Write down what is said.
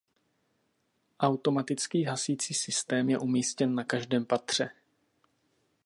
Automatický hasicí systém je umístěn na každém patře.